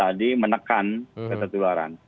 dan juga untuk meningkatkan keuntungan